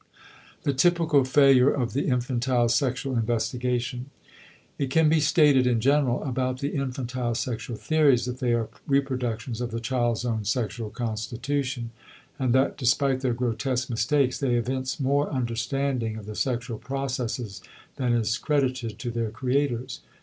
*The Typical Failure of the Infantile Sexual Investigation.* It can be stated in general about the infantile sexual theories that they are reproductions of the child's own sexual constitution, and that despite their grotesque mistakes they evince more understanding of the sexual processes than is credited to their creators.